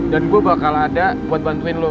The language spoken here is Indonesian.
dan gue bakal ada buat bantuin lo